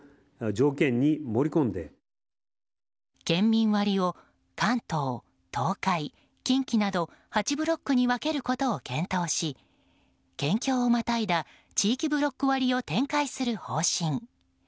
県民割を関東、東海、近畿など８ブロックに分けることを検討し県境をまたい地域ブロック割を展開する方針。